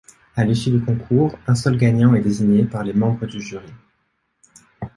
À l’issue du concours, un seul gagnant est désigné par les membres du jury.